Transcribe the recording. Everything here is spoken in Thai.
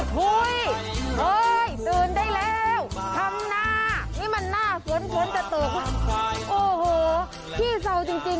เฮ้ยตื่นได้แล้วทำหน้านี่มันหน้าฝนฝนจะตกโอ้โหขี้เศร้าจริง